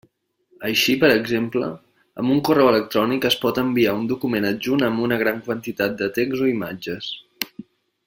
Així, per exemple, amb un correu electrònic es pot enviar un document adjunt amb gran quantitat de text o imatges.